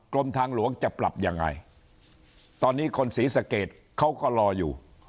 กรมทางหลวงจะปรับยังไงตอนนี้คนศรีสะเกดเขาก็รออยู่